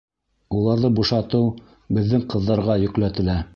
Уларҙы бушатыу беҙҙең ҡыҙҙарға йөкләтелә.